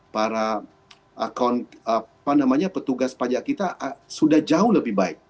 para petugas pajak kita sudah jauh lebih baik